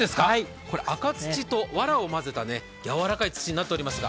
赤土とわらを混ぜたやわらかい土になっています。